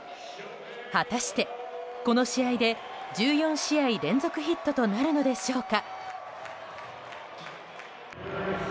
果たして、この試合で１４試合連続ヒットとなるのでしょうか。